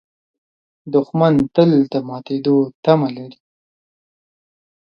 دښمن تل د ماتېدو تمه لري